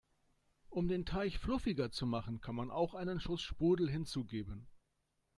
Um den Teig fluffiger zu machen, kann man auch einen Schuss Sprudel hinzugeben.